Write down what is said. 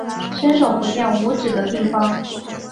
伸手不见五指的地方